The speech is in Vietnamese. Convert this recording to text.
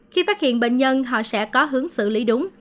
khi phát hiện bệnh nhân họ sẽ có hướng xử lý đúng